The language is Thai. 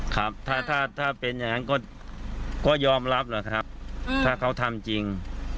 ครับถ้าถ้าเป็นอย่างนั้นก็ยอมรับแหละครับถ้าเขาทำจริง